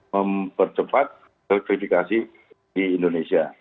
mempercepat elektrifikasi di indonesia